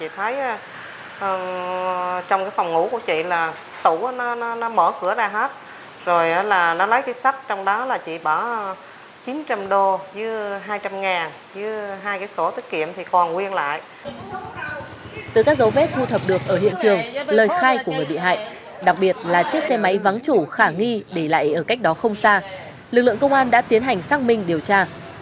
từ các dấu vết thu thập được ở hiện trường lời khai của người bị hại đặc biệt là chiếc xe máy vắng chủ khả nghi để lại ở cách đó không xa lực lượng công an đã tiến hành xác minh điều tra